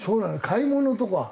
買い物とか。